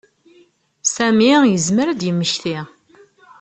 Sami yezmer ad d-yemmeki.